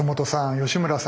吉村さん！